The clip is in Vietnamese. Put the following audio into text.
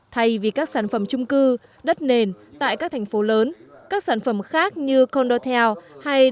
thay vì các sản phẩm trung cư đất nền tại các thành phố lớn các sản phẩm khác như condotel hay